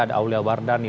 ada aulia wardani